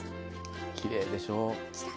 きれいでしょ。